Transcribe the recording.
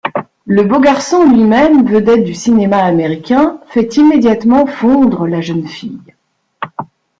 Le beau garçon, lui-même vedette du cinéma Américain, fait immédiatement fondre la jeune fille.